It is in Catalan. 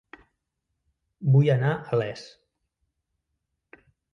Vull anar a Les